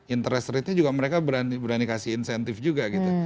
interest rate nya juga mereka berani kasih incentive juga gitu